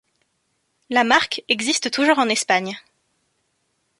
La marque existe toujours en Espagne.